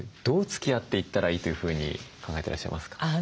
どうつきあっていったらいいというふうに考えてらっしゃいますか？